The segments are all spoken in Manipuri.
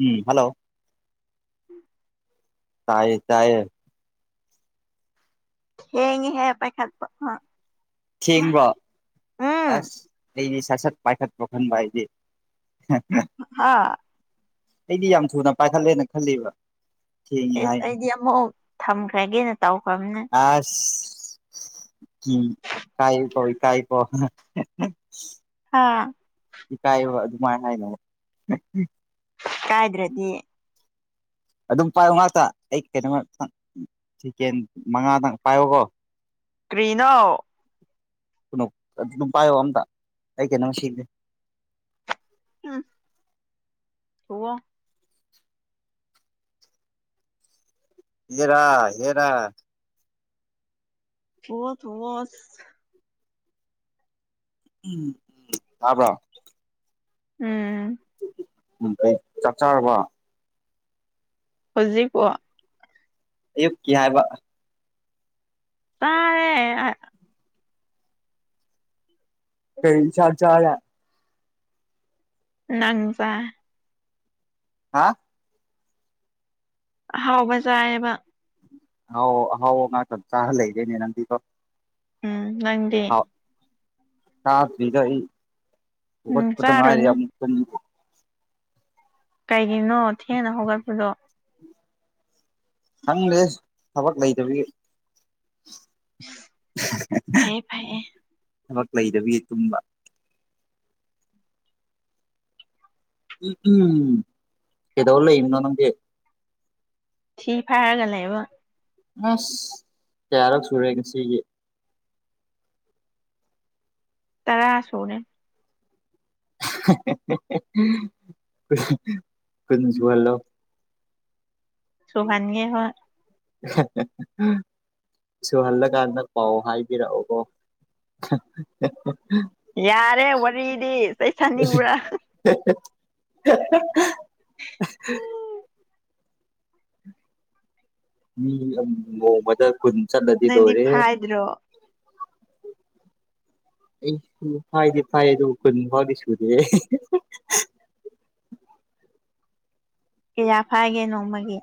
ꯎꯝ ꯍꯜꯂꯣ ꯇꯥꯏꯌꯦ ꯇꯥꯏꯌꯦ꯫ ꯊꯦꯡꯉꯤꯍꯦ [unintelligible] ꯊꯦꯡꯕ꯭ꯔꯣ ꯑꯁ ꯑꯩꯗꯤ ꯁꯠ ꯁꯠ ꯄꯥꯏꯈꯠꯄꯣ ꯈꯟꯕ ꯍꯥꯏꯗꯤ꯫ ꯍꯥ꯫ ꯑꯩꯗꯤ ꯌꯥꯝ ꯊꯨꯅ ꯄꯥꯏꯈꯠꯂꯦꯅ ꯈꯜꯂꯤꯕ꯫ ꯊꯦꯡꯉꯤ ꯑꯦꯁ ꯍꯥꯏ ꯑꯩꯗꯤ [unintelligible] ꯑꯃꯨꯛ ꯊꯝꯈ꯭ꯔꯒꯦꯅ ꯇꯧꯈ꯭ꯔꯕꯅꯦ ꯑꯁ꯫ ꯎꯝ ꯀꯥꯏ [unintelligible] ꯏꯀꯥꯏ ꯀꯣ ꯍꯥ ꯏꯀꯥꯏꯕ ꯑꯗꯨꯃꯥꯏꯅ ꯍꯥꯏꯅꯣ꯫ ꯀꯥꯏꯗ꯭ꯔꯗꯤ꯫ ꯑꯗꯨꯝ ꯄꯥꯏꯌꯣ ꯉꯥꯛꯇ ꯑꯩ ꯀꯩꯅꯣꯃ ꯁꯤꯀꯦꯟ ꯃꯉꯥꯗꯪ ꯄꯥꯏꯌꯣꯀꯣ꯫ ꯀ꯭ꯔꯤꯅꯣ꯫ ꯀꯨꯅꯣ ꯑꯗꯨꯝ ꯄꯥꯏꯌꯣ ꯑꯝꯇ ꯑꯩ ꯀꯩꯅꯣꯝ ꯁꯤꯒꯦ꯫ ꯍꯨꯝ꯫ ꯊꯨꯋꯣ꯫ ꯌꯦꯔꯥ ꯍꯦꯔꯥ꯫ ꯊꯨꯋꯣ ꯊꯨꯋꯣ ꯑꯁ꯫ ꯎꯝ ꯇꯥꯕ꯭ꯔꯣ꯫ ꯎꯝ꯫ [unintelligible] ꯆꯥꯛ ꯆꯥꯔꯕꯣ꯫ ꯍꯧꯖꯤꯛ ꯄꯣ ꯑꯌꯨꯛꯀꯤ ꯍꯥꯏꯕ꯫ ꯆꯥꯔꯦ [unintelligible] ꯀꯩ ꯢꯟꯁꯥꯡ ꯆꯥꯔꯦ꯫ ꯅꯪ ꯆꯥ ꯍꯥ ꯑꯍꯥꯎꯕ ꯆꯥꯑꯦꯕ꯫ ꯑꯍꯥꯎ ꯑꯍꯥꯎ ꯉꯥꯛꯇ ꯆꯥ ꯂꯩꯔꯦꯅꯦ ꯅꯪꯗꯤ ꯀꯣ꯫ ꯎꯝ ꯅꯪꯗꯤ꯫ ꯆꯥꯗ꯭ꯔꯤꯗ ꯑꯩ ꯎꯝ ꯍꯧꯒꯠꯄꯗꯥ ꯉꯥꯏꯔꯤ ꯆꯥꯔꯨꯅꯨ ꯑꯃꯨꯛ ꯇꯨꯝ [unintelligible] ꯀꯩꯒꯤꯅꯣ ꯊꯦꯡꯅ ꯍꯧꯒꯠꯄꯗꯣ꯫ ꯈꯪꯂꯦ ꯊꯕꯛ ꯂꯩꯇꯕꯒꯤ꯫ ꯐꯩꯌꯦ ꯐꯩꯌꯦ꯫ ꯊꯕꯛ ꯂꯩꯗꯕꯒꯤ ꯇꯨꯝꯕ꯫ ꯎꯝ ꯎꯝ ꯀꯩꯗꯧ ꯂꯩꯔꯤꯅꯣ ꯅꯪꯗꯤ꯫ ꯊꯤ ꯐꯥꯢꯔꯒ ꯂꯩꯕ꯫ ꯑꯁ ꯀꯌꯥꯔꯛ ꯁꯨꯔꯦ ꯉꯁꯤꯒꯤ꯫ ꯇꯔꯥ ꯁꯨꯔꯦ꯫ [unintelligible] ꯀꯨꯟ ꯁꯨꯍꯜꯂꯣ꯫ ꯁꯨꯍꯟꯒꯦ ꯍꯣꯏ꯫ [unintelligible] ꯁꯨꯍꯜꯂꯀꯥꯟꯗ ꯄꯥꯎ ꯍꯥꯏꯕꯤꯔꯛꯑꯣꯀꯣ [unintelligible] ꯌꯥꯔꯦ ꯋꯥꯔꯤꯗꯤ ꯆꯩ ꯆꯥꯅꯤꯡꯕ꯭ꯔꯥ꯫ [unintelligible] ꯃꯤ ꯑꯝ ꯅꯣꯡꯃꯗ ꯀꯨꯟ ꯆꯠꯂꯗꯤ ꯅꯪꯗꯤ ꯂꯣꯏꯔꯦ ꯐꯥꯏꯗ꯭ꯔꯣ [inaudible] ꯑꯩ ꯐꯥꯏꯗꯤ ꯐ ꯑꯗꯨꯣꯏ ꯐꯥꯎꯗꯤ ꯁꯨꯗꯤ [inaudible] ꯀꯌꯥꯥ ꯐꯥꯏꯒꯦ ꯅꯣꯡꯃꯒꯤ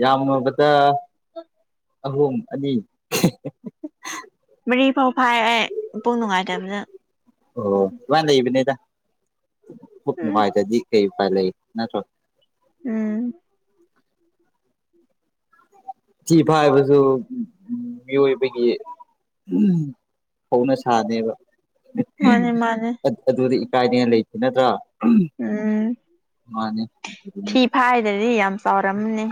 ꯌꯥꯝꯂꯨꯕꯗ ꯑꯍꯨꯝ ꯑꯅꯤ ꯐꯣꯏ ꯑꯩ ꯄꯨꯡ ꯅꯨꯡꯉꯥꯏꯇꯕꯗ ꯎꯝ ꯐꯥꯏ ꯇꯖꯤ ꯀ ꯄꯂ ꯅꯊꯣ ꯎꯝ ꯐꯤꯐꯥꯏ ꯄꯁꯨ ꯃꯤꯑꯣꯏꯕꯒꯤ ꯍꯧꯅ ꯁꯥꯅꯦꯕ ꯃꯥꯅꯦ ꯃꯥꯅꯦ ꯑꯗꯨꯗꯤ ꯏꯀꯥꯏꯅꯦꯅ ꯂꯩꯇꯦ ꯅꯠꯇ꯭ꯔꯥ ꯎꯝ ꯃꯥꯅꯦ ꯐꯤ ꯐꯥꯏꯗꯗꯤ ꯌꯥꯝ ꯆꯥꯎꯔꯝꯅꯦ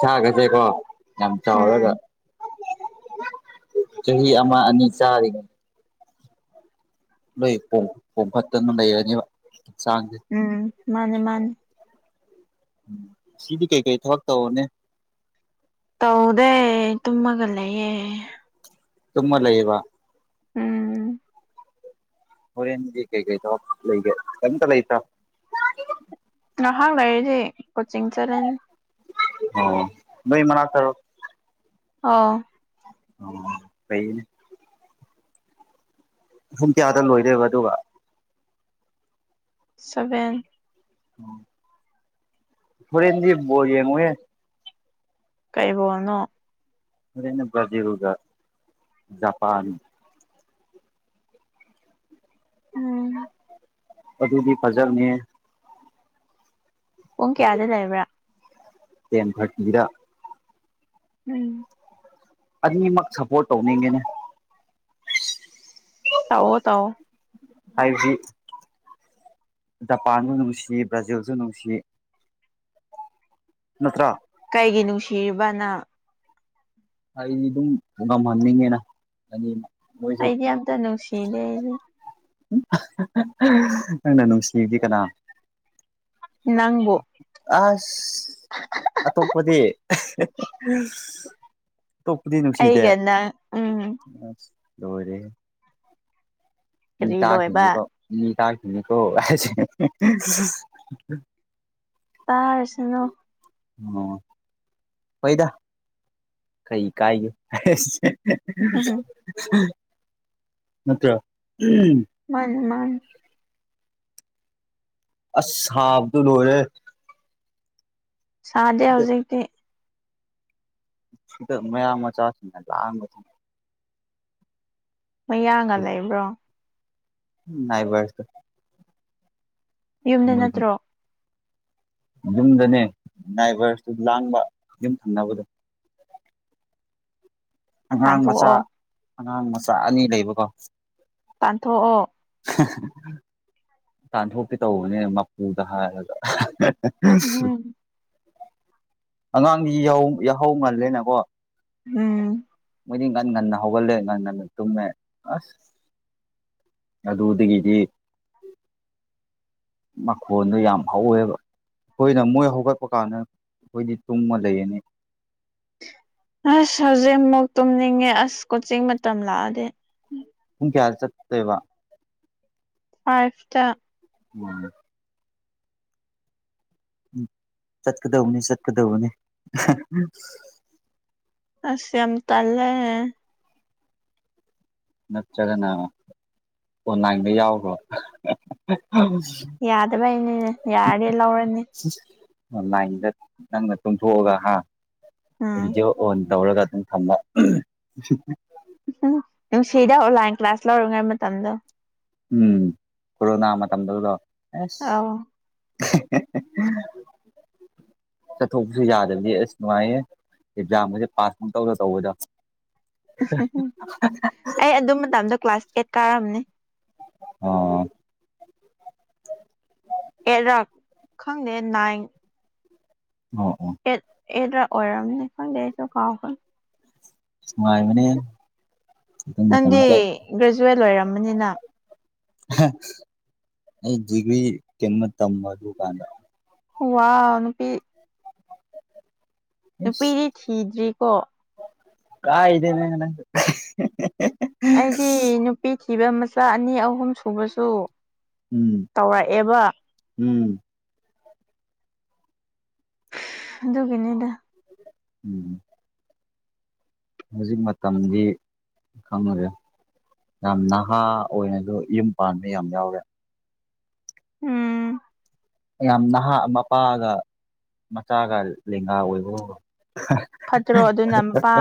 ꯁꯥꯒꯁꯦꯀꯣ ꯌꯥꯝ ꯆꯥꯎꯔꯒ ꯎꯝ ꯆꯍꯤ ꯑꯃ ꯑꯅꯤ ꯆꯥꯔꯤꯉꯩ ꯂꯣꯏ ꯏ ꯄꯨꯡ ꯄꯈꯇꯅ ꯆꯥꯡ ꯎꯝ ꯃꯥꯅꯦ ꯃꯥꯅꯦ ꯁꯤꯗꯤ ꯀꯩ ꯀꯩ ꯊꯕꯛ ꯇꯧꯕꯅꯦ ꯇꯧꯗꯦ ꯇꯨꯝꯃꯒꯂꯌꯦ ꯇꯨꯃ ꯂꯩ ꯂꯩꯕ ꯎꯝ ꯍ ꯀꯩ ꯀ ꯂ ꯀꯝꯇ ꯂ ꯇ ꯉꯍꯥꯛ ꯂꯩꯔꯤꯁꯦ ꯀꯣꯆꯤꯡ ꯆꯠꯂꯅꯤ ꯑꯣ ꯅꯣꯏ ꯃꯅꯥ ꯇꯔꯣ ꯑ ꯑꯣ ꯀꯩꯅꯦ ꯁꯨꯡ ꯀꯌꯥꯗ ꯂꯣꯏꯗꯣꯏꯕ ꯑꯗꯨꯒ ꯁꯚꯦꯟ ꯊꯗꯤ ꯃꯦ ꯀꯩꯕꯅꯣ ꯑꯗꯨꯅ ꯕꯔ꯭ꯖꯤꯜꯒ ꯖꯄꯥꯟ ꯎꯝ ꯑꯗꯨꯗꯤ ꯐꯖꯕꯅꯦ ꯄꯨꯡ ꯀꯌꯥꯗ ꯂꯩꯕ꯭ꯔꯥ ꯇ ꯊꯠꯔ ꯎꯝ ꯑꯅꯤꯃꯛ ꯁꯄꯣꯔꯠ ꯇꯧꯅꯤꯡꯉꯦꯅꯦ ꯇꯑꯣ ꯇꯎꯣ ꯍꯥꯏꯁꯤ ꯖꯄꯥꯟꯕꯨ ꯅꯨꯡꯁꯤ ꯕ꯭ꯔꯥꯖꯤꯜꯁꯨ ꯅꯨꯡꯁꯤ ꯅꯠꯇ꯭ꯔ ꯀꯩꯒꯤ ꯅꯨꯡꯁꯤꯔꯤꯕꯅ ꯑꯩꯗꯤ ꯑꯗꯨꯝ ꯉꯝꯍꯟꯅꯤꯡꯉꯦꯅꯅꯤꯅ ꯑꯩꯗꯤ ꯌꯥꯝ ꯇꯅꯅꯨꯡꯁꯤꯗꯦ ꯅꯪꯅ ꯅꯨꯡꯁꯤꯗꯤ ꯀꯅꯥ ꯅꯪꯕꯨ ꯑꯁ ꯑꯇꯣꯞꯄꯗꯤ ꯇꯣꯞꯄꯨꯗꯤ ꯅꯨꯡꯁꯤꯗꯦ ꯑꯩꯒ ꯑ ꯅꯪ ꯎꯝ ꯗꯣꯏꯔꯦ ꯃꯤ ꯀꯔꯤ ꯇꯈꯅꯤ ꯂꯣꯏꯕ ꯃꯤ ꯆꯅꯤꯀꯣ ꯇꯥꯔꯁꯤꯅꯣ ꯑꯣ ꯐꯩꯗ ꯀꯩ ꯀꯥꯏꯒ ꯅꯠꯇ꯭ꯔ ꯎ ꯃꯥꯅꯤ ꯃꯥꯅꯤ ꯑꯁꯁꯕꯗꯨ ꯂꯔꯦ ꯁꯥꯗꯦ ꯍꯧꯖꯤꯛꯇꯤ ꯁꯤꯗ ꯃꯌꯥꯝ ꯃꯆꯥꯁꯤꯡꯅ ꯂꯥꯛꯑꯒ ꯃꯌꯥꯒ ꯂꯩꯕ꯭ꯔꯣ ꯅꯕꯔꯁꯨ ꯌꯨꯝꯗ ꯅꯠꯇ꯭ꯔꯣ ꯌꯨꯝꯗꯅꯦ ꯭ꯔꯏꯚꯔꯁꯇꯨ ꯂꯥꯡꯕ ꯌꯨꯝ ꯊꯪꯅꯕꯗꯣ ꯑꯉꯥꯡ ꯃꯆꯥ ꯇꯥꯟꯊꯣꯛꯑꯣ ꯑꯉꯥꯡ ꯃꯆꯥ ꯑꯅꯤ ꯂꯩꯕꯀꯣ ꯇꯥꯟꯊꯣꯛꯑꯣ ꯇꯥꯟꯊꯣꯛꯄꯤꯦ ꯇꯧꯕꯅꯦ ꯃꯄꯨꯗ ꯍꯥꯏꯔꯒ ꯎꯝ ꯑꯉꯥꯡꯗꯤ ꯌꯥꯍꯧ ꯉꯜꯂꯦꯅꯀꯣ ꯎꯝ ꯃꯣꯏꯗꯤ ꯉꯟꯅ ꯉꯟꯅ ꯍꯧꯒꯜꯂꯦ ꯉꯟꯅ ꯉꯟꯅ ꯇꯨꯝꯃꯦ ꯑꯁ ꯑꯗꯨꯗꯒꯤꯗꯤ ꯃꯈꯣꯟꯗꯣ ꯌꯥꯝ ꯍꯧꯋꯦꯕ ꯑꯩꯈꯣꯏꯅ ꯃꯣꯏ ꯍꯧꯒꯠꯄ ꯀꯥꯟꯗ ꯑꯩꯈꯣꯏꯗꯤ ꯇꯨꯝꯃ ꯂꯩꯔꯅꯤ ꯑꯁ ꯍꯧꯖꯤꯛ ꯑꯃꯨꯛ ꯇꯨꯝꯅꯤꯡꯉꯦ ꯑꯁ ꯀꯣꯆꯤꯡ ꯃꯇꯝ ꯂꯥꯛꯑꯗꯤ ꯄꯨꯡ ꯀꯌꯥ ꯆꯛꯇꯕ ꯐꯥꯏꯚꯇ ꯎ ꯎ ꯆꯠꯀꯗꯧꯅꯤ ꯆꯠꯀꯗꯧꯕꯅꯤ ꯑꯁ ꯌꯥꯝꯝ ꯇꯂꯦ ꯅꯠꯇ꯭ꯔꯒꯅ ꯑꯣꯟꯂꯥꯏꯟꯗ ꯌꯥꯎꯕ꯭ꯔꯣ ꯌꯥꯗꯕ ꯍꯥꯏꯅꯤꯅꯦ ꯌꯥꯔꯗꯤꯦ ꯂꯧꯔꯅꯤ ꯑꯣꯟꯂꯥꯏꯟꯗ ꯅꯪꯅ ꯇꯨꯡꯊꯣꯛꯑꯒ ꯍꯥ ꯎꯝ ꯚꯤꯗꯤꯑꯣ ꯑꯣꯟ ꯇꯧꯔꯒ ꯊꯝꯕ ꯎꯝ ꯅꯨꯡꯁꯤꯗ ꯑꯣꯟꯂꯥꯏꯟ ꯀ꯭ꯂꯥꯁ ꯂꯧꯔꯤꯉꯩ ꯃꯇꯝꯗꯣ ꯎꯝ ꯀꯣꯔꯣꯅꯥ ꯃꯇꯝꯗꯗꯣ ꯑ [unintelligible] [unintelligible] ꯆꯠꯊꯣꯛꯄꯁꯨ ꯌꯥꯗꯕꯗꯤ ꯑꯁ ꯅꯨꯡꯉꯥꯏꯌꯦ ꯑꯦꯛꯖꯥꯝꯒꯁꯦ ꯄꯥꯁ ꯐꯧ ꯇꯧꯗ ꯇꯧꯕꯗ ꯎ ꯑꯩ ꯑꯗꯨ ꯃꯇꯝꯗ ꯀ꯭ꯂꯥꯁ ꯑꯦꯠ ꯀꯥꯔꯝꯅꯦ ꯑꯣ ꯑꯦꯔꯥꯛ ꯈꯪꯗꯦ ꯅꯥꯏꯟ ꯑꯣ ꯑꯣ ꯑꯦꯗꯔ ꯑꯣꯔꯝ ꯂꯩꯁꯨ ꯀꯥꯎ ꯈ ꯁꯉꯥꯏ ꯃꯅꯤ ꯅꯪꯗꯤ ꯒ꯭ꯔꯦꯖꯨꯋꯦꯠ ꯂꯣꯏꯔꯝꯕꯅꯤꯅ ꯑꯩ ꯖꯤꯒꯔꯤ ꯀ ꯊꯝ ꯃ ꯀꯥꯟꯗ ꯋꯥ ꯋꯥꯅꯄꯤ ꯅꯨꯄꯤꯗꯤ ꯊꯤꯗ꯭ꯔꯤꯀꯣ ꯀ ꯏꯗꯦꯅꯦꯪ ꯑꯩꯗꯤ ꯅꯨꯄꯤ ꯊꯤꯕ ꯃꯆꯥ ꯑꯅꯤ ꯑꯍꯨꯝ ꯁꯨꯕꯁꯨ ꯎꯝ ꯇꯧꯔꯛꯑꯦꯕ ꯎꯝ ꯑꯗꯨ ꯑꯗꯨ ꯀꯅꯦꯗ ꯎꯝ ꯍꯧꯖꯤꯛ ꯃꯇꯝꯗꯤ ꯈꯪꯅꯨꯔꯦ ꯌꯥꯝ ꯅꯍꯥ ꯑꯣꯏꯅ ꯑꯗꯨ ꯌꯨꯝ ꯄꯥꯟꯕ ꯌꯥꯝ ꯌꯥꯎꯔꯦ ꯎꯝ ꯌꯥꯝ ꯅꯍꯥ ꯃꯄꯥꯒ ꯃꯆꯥꯒ ꯂꯦꯡꯒꯥ ꯑꯣꯏꯕꯕ ꯐꯠꯇ꯭ꯔꯣ ꯑꯗꯨꯅ ꯃꯄꯥ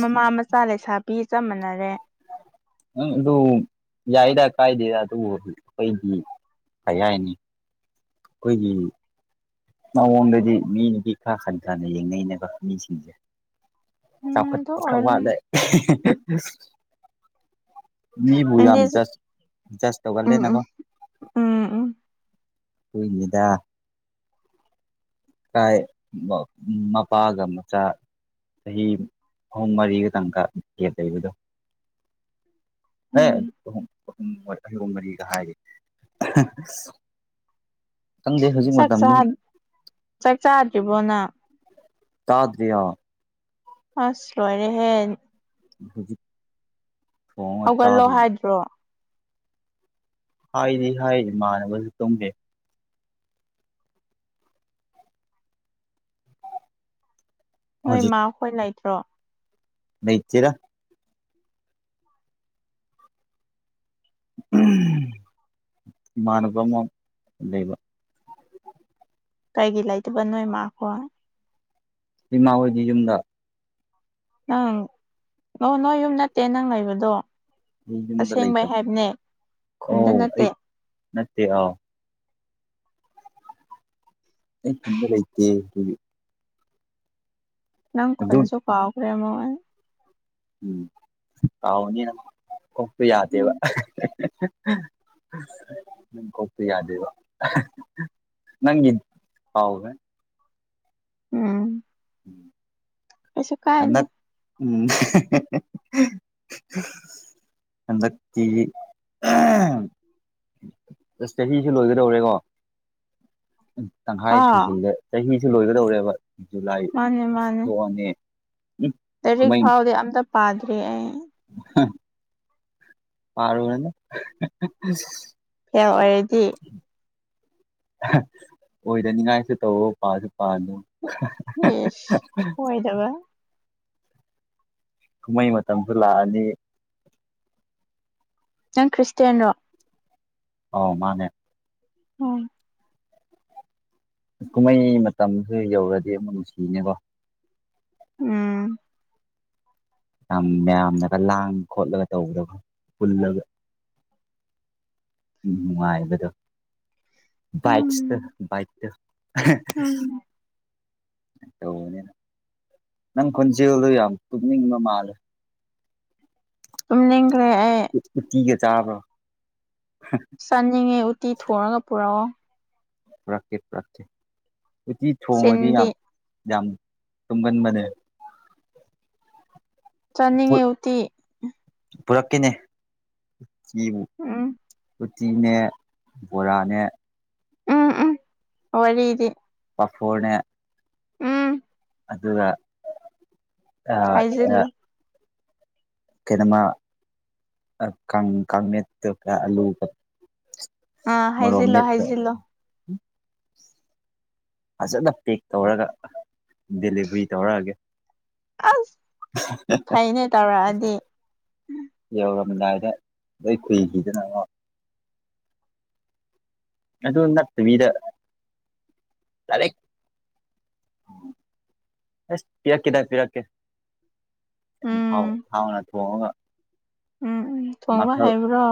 ꯃꯃꯥ ꯃꯆꯥ ꯂꯩꯁꯥ ꯄꯤ ꯆꯞ ꯃꯅꯔꯦ ꯑ ꯑꯗꯨ ꯌꯥꯏꯗ ꯀꯥꯏꯗꯦ ꯑꯗꯨ ꯀꯩꯒꯤ ꯀꯌꯥꯅꯤ ꯑꯩꯈꯣꯏꯒꯤ ꯃꯑꯣꯡꯗꯗꯤ ꯃꯤꯅꯗꯤ ꯈꯔ ꯈꯟꯊꯅ ꯌꯦꯡꯅꯅꯕ ꯃꯤꯁꯤꯡꯁꯦ ꯎꯝ ꯑꯗꯨ ꯆꯥꯎꯈꯠꯄ ꯈꯔ ꯑꯣꯏꯔꯦ ꯋꯥꯂ ꯃꯤꯕꯨ ꯌꯥꯝ ꯅꯪꯗꯤ ꯖꯁ ꯖꯁ ꯎꯝ ꯇꯧꯒꯜꯂꯦꯅꯀꯣ ꯎꯝ ꯎꯝ ꯎꯝ ꯍꯏꯅꯤꯗ ꯀꯥꯏ ꯃꯄꯥꯒ ꯃꯆꯥ ꯆꯍꯤ ꯑꯍꯨꯝ ꯃꯔꯤꯒ ꯇꯪꯀ ꯂꯦꯞ ꯂꯩꯕꯗꯣ ꯎꯝ ꯍꯦꯨꯝꯨꯝ ꯑꯍꯣ ꯃꯔꯤꯒ ꯍꯥꯏꯔꯤ ꯈꯪꯗꯦ ꯍꯧꯖꯤꯛ ꯆꯥꯛ ꯆꯥ ꯃꯇꯝꯗꯤ ꯆꯥꯛ ꯆꯥꯗ꯭ꯔꯤꯕꯣꯅ ꯇꯥꯗꯌꯥ ꯑꯁ꯭ꯔꯅꯦ ꯍꯦ ꯑꯗꯨ ꯍꯧꯒꯠꯂꯣ ꯍꯥꯏꯗ꯭ꯔꯣ ꯍꯥꯏꯗꯤ ꯍꯥꯏꯔꯤ ꯃꯥꯟꯅꯕꯁꯨ ꯇꯨꯝꯗꯦ ꯅꯣꯏ ꯃꯥ ꯍꯣꯏ ꯂꯩꯇ꯭ꯔꯣ ꯃꯩꯆꯔ ꯃꯥꯅꯄꯃ ꯂꯩꯕ ꯀꯩꯒꯤ ꯂꯩꯇꯕ ꯅꯣꯏ ꯃꯥꯈꯣ ꯏꯃꯥ ꯍꯣꯏꯒꯤ ꯌꯨꯝꯗ ꯅꯪ ꯅ ꯅꯣꯏ ꯌꯨꯝ ꯅꯠꯇꯦ ꯅꯪ ꯂꯩꯕꯗꯣ ꯑꯩ ꯌꯨꯝꯗ ꯑꯁꯦꯡꯕꯩ ꯂꯩꯇꯕ ꯍꯥꯏꯕꯅꯦ ꯈꯨꯟꯗ ꯑꯣ ꯅꯠꯇꯦ ꯑꯩ ꯅꯠꯇꯦ ꯑꯥꯎ ꯑꯩ ꯆꯗꯔꯥꯏꯇꯦ ꯍꯗꯤ ꯅꯪ ꯈꯟꯁꯨ ꯀꯥꯎꯈ꯭ꯔꯦꯃꯣ ꯎꯝ ꯑꯅꯤ ꯀꯁꯨ ꯎꯝ ꯌꯥꯗꯦꯕ [unintelligible] ꯅꯪ ꯍꯇ ꯌꯥꯗꯦꯕ ꯅꯪ ꯍꯥꯎꯅꯦꯦ ꯎꯝ ꯄꯁ ꯀꯥꯏ ꯂꯩ ꯍꯟꯗꯛ ꯎꯝ ꯍꯀꯤ ꯑꯁ ꯆꯍꯤꯁꯦ ꯂꯣꯏꯒꯗꯧꯔꯦꯀꯣ ꯇꯪꯈꯥꯏ ꯍꯥ ꯁꯨꯁꯤꯗ ꯆꯍꯤꯁꯤ ꯂꯣꯏꯒꯗꯧꯔꯦꯕ ꯖꯨꯂꯥꯏ ꯊꯣꯛꯑꯅꯤ ꯇꯔꯤꯛ ꯐꯥꯎꯗꯤ ꯑꯝꯇ ꯄꯥꯗ꯭ꯔꯤ ꯑꯩ ꯄꯔꯒꯅꯦꯅ ꯐꯦꯜ ꯑꯣꯏꯔꯗꯤ ꯑꯣꯏꯗꯅꯤꯡꯉꯥꯏꯁꯨ ꯇꯧꯑꯣ ꯄꯥꯁꯨ ꯄꯥ ꯑꯗꯨ ꯏꯁ ꯑꯣꯏꯗꯕ ꯀꯨꯝꯍꯩ ꯃꯇꯝꯁꯨ ꯂꯥꯛꯑꯅꯤ ꯅꯪ ꯈ꯭ꯔꯤꯁꯇꯌꯥꯅꯣ ꯑꯧ ꯃꯥꯅꯦ ꯑꯣ ꯀꯨꯝꯍꯩ ꯃꯇꯝꯁꯨ ꯌꯧꯔꯗꯤ ꯑꯃꯨꯛ ꯅꯨꯡꯁꯤꯅꯦꯀꯣ ꯎꯝ ꯃꯌꯥꯝꯅꯒ ꯂꯥꯡ ꯈꯣꯠꯂꯒ ꯇꯧꯕꯗꯕ ꯄꯨꯜꯂꯒ ꯎꯝꯅꯨꯡꯉꯥꯏꯕꯗꯣ ꯕꯥꯛꯁꯇ ꯎꯝ ꯏꯛ ꯇ ꯎꯝ ꯇꯧꯕꯅꯤꯅ ꯅꯪ ꯈꯨꯣꯟꯖꯦꯜꯗ ꯌꯥꯝ ꯀꯨꯞꯅꯤꯡꯕ ꯃꯥꯜꯂꯦ ꯁꯃꯤꯅ꯭ꯔꯦ ꯇꯤꯒ ꯆꯥꯕ꯭ꯔꯣ ꯆꯥꯅꯤꯡꯉꯦ ꯎꯇꯤ ꯊꯣꯡꯉꯒ ꯄꯨꯔꯛꯑꯣ ꯄꯨꯔꯛꯀꯦ ꯐꯔꯛꯀꯦ ꯎꯇꯤ ꯊꯣꯡꯉꯗꯤ ꯆꯤꯟꯗꯤ ꯌꯥꯝ ꯌꯥꯝ ꯇꯨꯒꯟ ꯃꯅꯦ ꯆꯅꯤꯡꯉ ꯎꯇꯤ ꯄꯨꯔꯛꯈꯤꯅꯦ ꯎꯝ ꯁꯨꯇꯤꯅꯦ ꯕꯣꯔꯥꯅꯦ ꯎꯝ ꯎꯝ ꯍꯔꯗꯤ ꯄꯐꯣꯅꯦ ꯎꯝ ꯑꯗꯨꯅ ꯑ ꯑ ꯍꯥꯏꯖꯤꯜꯂꯣ ꯀꯩꯅꯃ ꯑ ꯀ ꯀꯃꯛꯇ ꯑꯂꯨ ꯑꯥ ꯃꯔ ꯍꯥꯏꯖꯤꯜꯂꯣ ꯃꯠꯇ꯭ꯔ ꯍꯥꯏꯖꯤꯜꯂꯣ ꯐꯖꯅ ꯄꯦꯛ ꯇꯧꯔꯒ ꯗꯦꯂꯤꯚꯔꯤ ꯇꯧꯔꯛꯑꯒꯦ ꯑꯁ ꯐꯩꯅꯦ ꯇꯧꯔꯛꯑꯗꯤ ꯌꯥ ꯂꯝꯝꯗꯥꯏꯗ ꯂꯣꯏ ꯈꯨꯏꯈꯤꯗꯅꯅꯕꯣ ꯑꯗꯨ ꯑꯗꯨ ꯅ ꯊꯗꯔꯦ ꯑꯁ ꯄꯤꯔꯛꯀꯦ ꯇ ꯄꯤꯔꯛꯀꯦ ꯌꯥꯝꯥꯎ ꯎꯝ ꯍꯥꯎꯅ ꯊꯣꯡꯉꯒ ꯎꯝ ꯎꯝ ꯊꯣꯡꯕ ꯃꯈꯜ ꯍꯥꯏꯕ꯭ꯔꯣ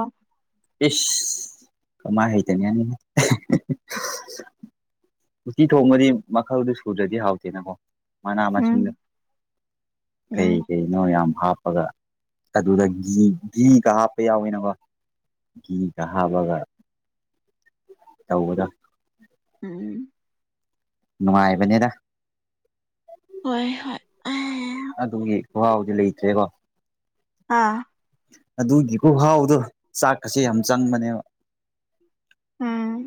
ꯏꯁ ꯀꯃꯥꯏ ꯍꯥꯏ ꯇꯅꯤꯅꯤ ꯎꯇꯤ ꯊꯣꯡꯕꯗꯤ ꯃꯈꯜꯗꯨ ꯁꯨꯗ꯭ꯔꯗꯤ ꯍꯥꯎꯇꯦꯅꯀꯣ ꯃꯅꯥ ꯃꯁꯤꯡꯗ ꯎꯝ ꯀꯩ ꯎꯝ ꯀꯩꯅꯣ ꯌꯥꯝ ꯍꯥꯞꯄꯒ ꯑꯗꯨꯗ ꯘꯤ ꯘꯤꯒ ꯍꯥꯞꯄ ꯌꯥꯎꯋꯦꯅꯀꯣ ꯒꯤ ꯀꯥꯕꯒꯔ ꯇꯧꯕꯗ ꯎꯝ ꯅꯨꯡꯉꯥꯏꯕꯅꯦꯗ ꯍꯣꯏ ꯍꯣꯏ ꯑ ꯑꯗꯨꯒꯤ ꯈꯥꯎꯗꯤ ꯂꯩꯇ꯭ꯔꯦꯕꯣ ꯑꯥ ꯑꯗꯨꯒꯤꯕꯨꯍꯥꯎꯗꯣ ꯆꯥꯛꯀꯁꯦ ꯌꯥꯝ ꯆꯪꯕꯅꯦꯕ ꯎꯝ